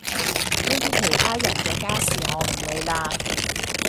呢啲其他人嘅家事我唔理啦